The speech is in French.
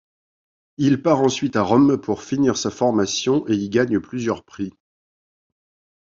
Il part ensuite à Rome pour finir sa formation et y gagne plusieurs prix.